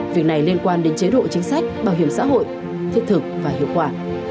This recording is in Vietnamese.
việc này liên quan đến chế độ chính sách bảo hiểm xã hội thiết thực và hiệu quả